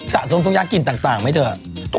สะสมทุกอย่างกลิ่นต่างไหมเถอะ